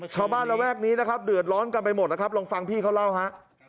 ชาวบ้านระแวกนี้เดือดร้อนกันไปหมดลองฟังพี่เขาเล่า